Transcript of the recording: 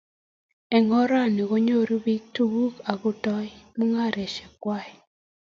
Eng orani, konyuru biik tukuk akotou mungareshiek kwai